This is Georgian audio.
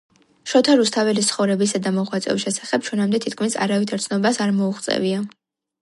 შოთა რუსთაველის ცხოვრებისა და მოღვაწეობის შესახებ ჩვენამდე თითქმის არავითარ ცნობას არ მოუღწევია